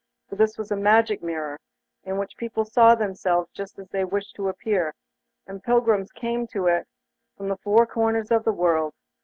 For this was a magic mirror, in which people saw themselves just as they wished to appear, and pilgrims came to it from the four corners of the world.